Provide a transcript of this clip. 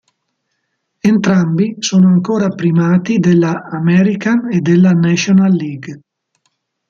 Entrambi sono ancora primati della American e della National League.